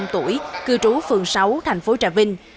ba mươi năm tuổi cư trú phường sáu tp trà vinh